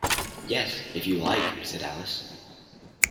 ‘Yes, if you like,’ said Alice.